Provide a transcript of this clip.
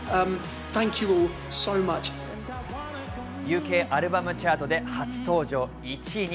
ＵＫアルバムチャートで初登場１位に。